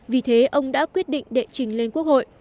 vì thế ông đã quyết định đệ trình lên quốc hội